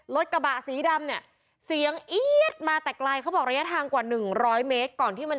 รถกระบะสีดำเนี้ยเสียงอี๊ดมาแตกไลเขาบอกระยะทางกว่าหนึ่งร้อยเมตร